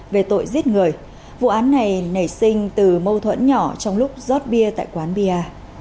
về tội giết người vụ án này nảy sinh từ mâu thuẫn nhỏ trong lúc rót bia tại quán bia